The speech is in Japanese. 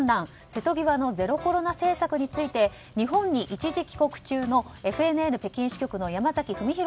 瀬戸際のゼロコロナ政策について日本に一時帰国中のＦＮＮ北京支局の山崎文博